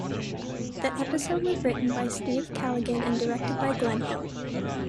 The episode was written by Steve Callaghan and directed by Glen Hill.